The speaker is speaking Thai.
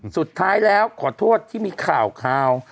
สุดท้ายแล้วขอโทษที่มีข่าว